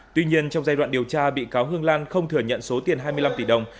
tuy nhiên trong giai đoạn điều tra bị cáo hương lan không thừa nhận số tiền hai mươi năm tỷ đồng